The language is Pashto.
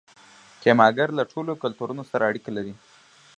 کیمیاګر له ټولو کلتورونو سره اړیکه لري.